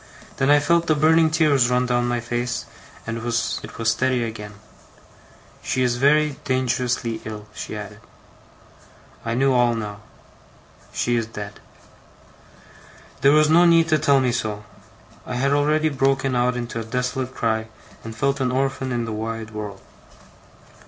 Then I felt the burning tears run down my face, and it was steady again. 'She is very dangerously ill,' she added. I knew all now. 'She is dead.' There was no need to tell me so. I had already broken out into a desolate cry, and felt an orphan in the wide world.